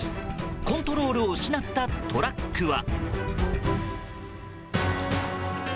コントロールを失ったトラックは。